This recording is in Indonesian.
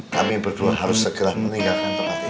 kami berdua harus segera meninggalkan tempat ini